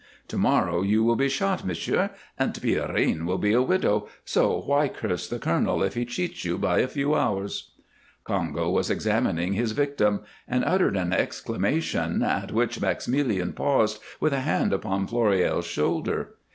To morrow you will be shot, monsieur, and Pierrine will be a widow, so why curse the colonel if he cheats you by a few hours?" Congo was examining his victim, and uttered an exclamation, at which Maximilien paused, with a hand upon Floréal's shoulder.